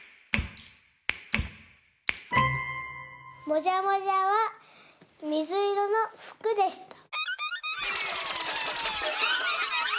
もじゃもじゃはみずいろのふくでした。